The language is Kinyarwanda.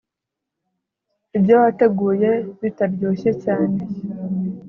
ibyo wateguye bitaryoshye cyane